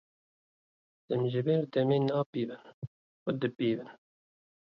Demjimêr demê napîvin, xwe dipîvin.